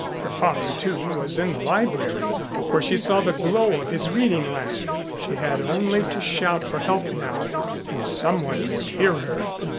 Her father, too, was in the library, for she saw the glow of his reading lamp. She had only to shout for help now and someone would hear her.